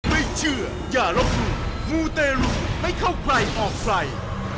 ไม่เชื่ออย่าล้อมรูมูเตรลุไม่เข้าใครออกใกล้